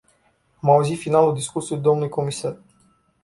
Am auzit finalul discursului dlui comisar.